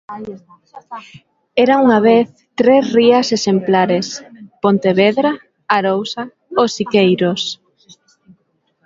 Era unha vez tres rías exemplares: Pontevedra, Arousa, O Siqueiros.